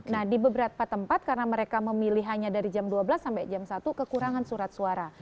nah di beberapa tempat karena mereka memilih hanya dari jam dua belas sampai jam satu kekurangan surat suara